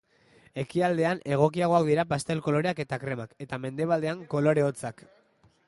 Ekialdean egokiagoak dira pastel-koloreak eta kremak, eta mendebaldean kolore hotzak.